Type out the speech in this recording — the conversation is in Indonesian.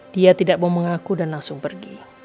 dia tidak mau mengaku dan langsung pergi